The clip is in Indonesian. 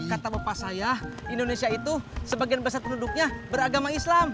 kata bapak saya indonesia itu sebagian besar penduduknya beragama islam